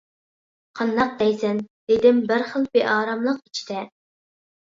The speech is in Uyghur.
— قانداق دەيسەن؟ — دېدىم بىر خىل بىئاراملىق ئىچىدە.